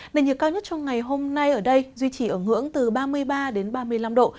nền nhiệt cao nhất trong ngày hôm nay ở đây duy trì ở ngưỡng từ ba mươi ba đến ba mươi năm độ